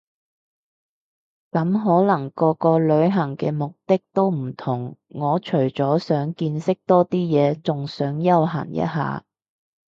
咁可能個個旅行嘅目的都唔同我除咗想見識多啲嘢，仲想休閒一下